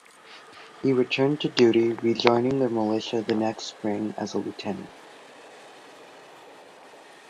He returned to duty, rejoining the militia the next spring as a lieutenant.